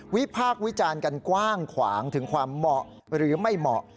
พากษ์วิจารณ์กันกว้างขวางถึงความเหมาะหรือไม่เหมาะ